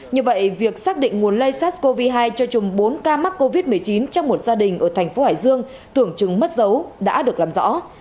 như vậy việc xác định nguồn lây sars cov hai cho chùm bốn ca mắc covid một mươi chín trong một gia đình ở thành phố hải dương tưởng chừng mất dấu đã được làm rõ